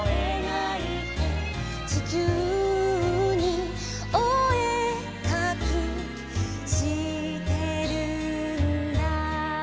「ちきゅうにおえかきしてるんだ」